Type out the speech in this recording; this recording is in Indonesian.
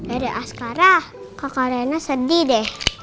eh deh ah sekarang kakak rena sedih deh